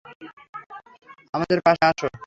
আমাদের পাশে আসো।